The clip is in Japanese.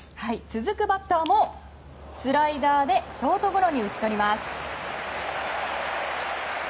続くバッターもスライダーでショートゴロに打ち取ります。